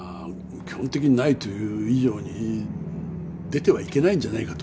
基本的にないという以上に出てはいけないんじゃないかと思いますね